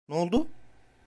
N'oldu?